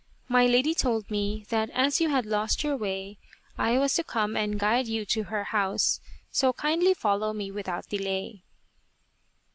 " My lady told me that as you had lost your way, I was to come and guide you to her house, so kindly follow me without delay."